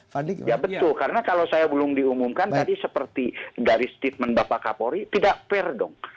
ya betul karena kalau saya belum diumumkan tadi seperti dari statement bapak kapolri tidak fair dong